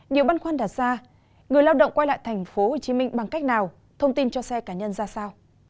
nhiều băn khoăn đặt ra người lao động quay lại tp hcm bằng cách nào thông tin cho xe cá nhân ra sao